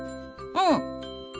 うん。